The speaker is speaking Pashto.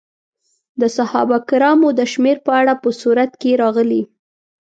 د صحابه کرامو د شمېر په اړه په سورت کې راغلي.